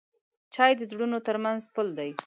چای د زړونو ترمنځ پل دی.